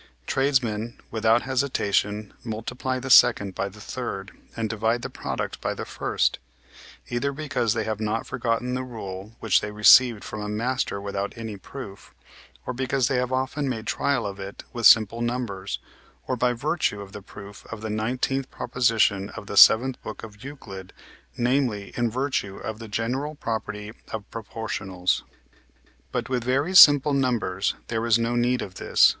Tradesmen without hesitation multiply the second by the third, and divide the product by the first; either because they have not forgotten the rule which they received from a master without any proof, or because they have often made trial of it with simple numbers, or by virtue of the proof of the nineteenth proposition of the seventh book of Euclid, namely, in virtue of the general property of proportionals. But with very simple numbers there is no need of this.